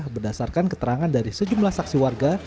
berdasarkan keterangan dari sejumlah saksi warga